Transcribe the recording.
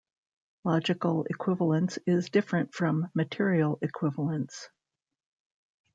Logical equivalence is different from material equivalence.